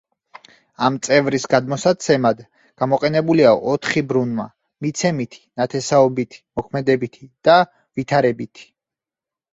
ამ წევრის გადმოსაცემად გამოყენებულია ოთხი ბრუნვა: მიცემითი, ნათესაობითი, მოქმედებითი და ვითარებითი.